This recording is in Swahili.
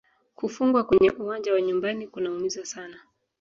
Kufungwa kwenye uwanja wa nyumbani kunaumiza sana